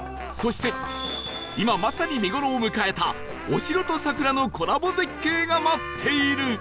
そして今まさに見頃を迎えたお城と桜のコラボ絶景が待っている